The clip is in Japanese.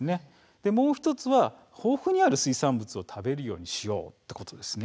もう１つは、豊富にある水産物を食べるようにすることです。